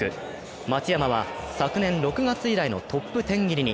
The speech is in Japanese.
松山は昨年６月以来のトップ１０入りに。